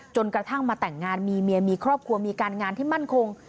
จนกระทั่งมาแต่งงานมีเมียมีครอบครัวมีการงานที่มั่นคง